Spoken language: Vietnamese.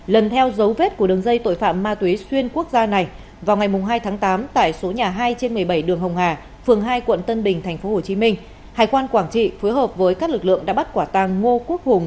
lần theo dấu vết của đường dây tội phạm ma túy xuyên quốc gia này vào ngày hai tháng tám tại số nhà hai trên một mươi bảy đường hồng hà phường hai quận tân bình tp hcm hải quan quảng trị phối hợp với các lực lượng đã bắt quả tàng ngô quốc hùng